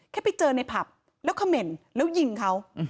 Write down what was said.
แค่ไปเจอในผับแล้วเขม่นแล้วยิงเขา